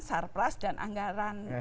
sarplas dan anggaran